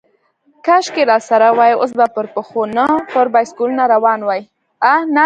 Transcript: کاشکې راسره وای، اوس به پر پښو، نه پر بایسکلونو روان وای.